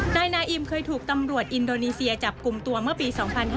นายนาอิมเคยถูกตำรวจอินโดนีเซียจับกลุ่มตัวเมื่อปี๒๕๕๙